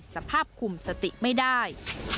สภาพคุมสติไม่ได้